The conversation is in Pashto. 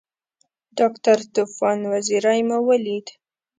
ډاکټر طوفان وزیری مو ولید.